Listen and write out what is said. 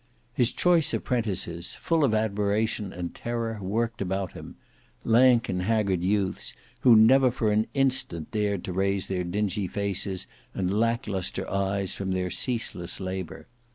His choice apprentices, full of admiration and terror, worked about him; lank and haggard youths, who never for an instant dared to raise their dingy faces and lack lustre eyes from their ceaseless labour.